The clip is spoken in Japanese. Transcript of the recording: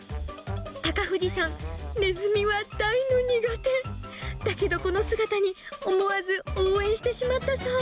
高藤さん、ネズミは大の苦手。だけどこの姿に、思わず応援してしまったそう。